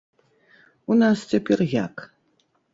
У нас цяпер як?